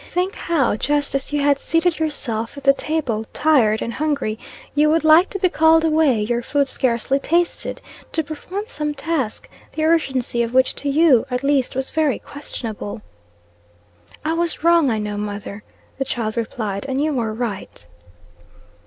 Think how, just as you had seated yourself at the table, tired and hungry, you would like to be called away, your food scarcely tasted, to perform some task, the urgency of which to you, at least, was very questionable?" "I was wrong I know, mother," the child replied, "and you are right."